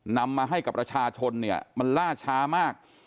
นำมาให้กับประชาชนเนี่ยมันล่าช้ามาก